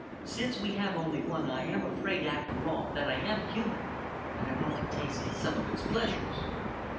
Since we have only one, I am afraid, after all, that I am human, and I want to taste some of its pleasures."